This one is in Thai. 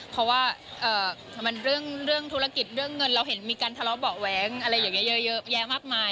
เพราะว่าเรื่องธุรกิจเรื่องเงินเราเห็นมีการทะเลาะเบาะแว้งอะไรอย่างนี้เยอะแยะมากมาย